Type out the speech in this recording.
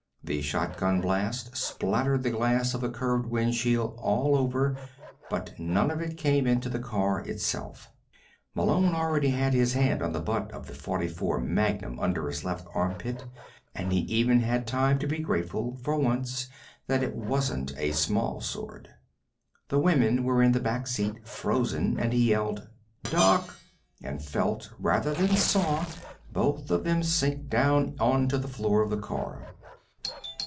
The shotgun blast splattered the glass of the curved windshield all over but none of it came into the car itself. Malone already had his hand on the butt of the .44 Magnum under his left armpit, and he even had time to be grateful, for once, that it wasn't a smallsword. The women were in the back seat, frozen, and he yelled: "Duck!" and felt, rather than saw, both of them sink down onto the floor of the car.